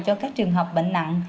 cho các trường hợp bệnh nặng